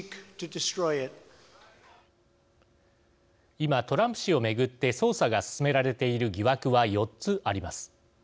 今、トランプ氏を巡って捜査が進められている疑惑は４つあります。